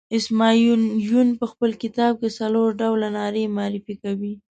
اسماعیل یون په خپل کتاب کې څلور ډوله نارې معرفي کوي.